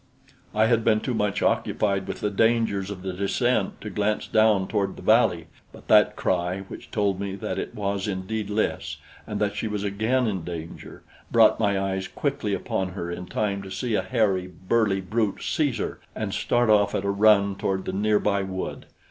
I had been too much occupied with the dangers of the descent to glance down toward the valley; but that cry which told me that it was indeed Lys, and that she was again in danger, brought my eyes quickly upon her in time to see a hairy, burly brute seize her and start off at a run toward the near by wood.